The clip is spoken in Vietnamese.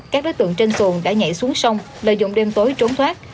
các đối tượng trên tuần đã nhảy xuống sông lợi dụng đêm tối trốn thoát